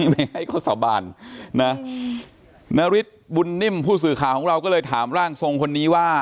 ไม่ให้เขาสาบานนะนาริสบุญนิ่มผู้สื่อข่าวของเราก็เลยถามร่างทรงคนนี้ว่า